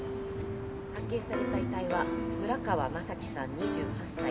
発見された遺体は村川正輝さん２８歳。